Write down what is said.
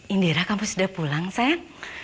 indira kamu sudah pulang saya